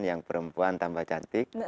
yang perempuan tambah cantik